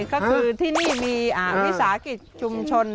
ก็คือที่นี่มีวิสาหกิจชุมชน